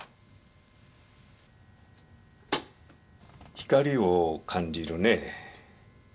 光を感じるね？